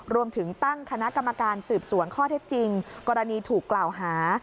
รวมถึงตั้งคณะกรรมการสืบสวนข้อเท็จจริงกรณีถูกกล่าวหา